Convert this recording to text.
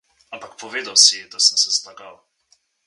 Ampak povedal si ji, da sem se zlagal.